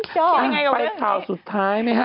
ไปข่าวสุดท้ายไหมฮะ